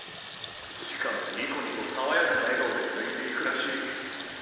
しかもニコニコさわやかな笑顔で抜いていくらしい一瞬で。